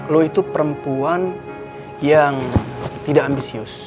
lo itu perempuan yang tidak ambisius